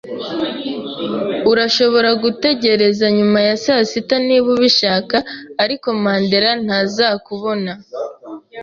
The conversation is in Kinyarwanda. Urashobora gutegereza nyuma ya saa sita niba ubishaka, ariko Mandera ntazakubona.